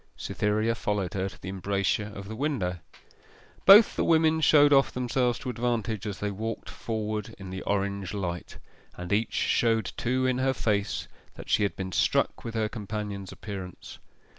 Cytherea followed her to the embrasure of the window. Both the women showed off themselves to advantage as they walked forward in the orange light; and each showed too in her face that she had been struck with her companion's appearance.